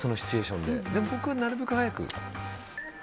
でも、僕はなるべく早く。